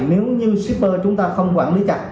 nếu như shipper chúng ta không quản lý chặt